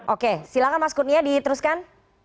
oke silahkan mas kurnia diteruskan